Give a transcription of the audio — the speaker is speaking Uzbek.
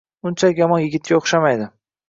Unchalik yomon yigitga o`xshamaydi